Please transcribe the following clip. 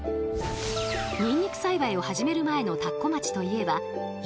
ニンニク栽培を始める前の田子町といえば雪深く